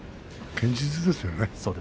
堅実ですよね。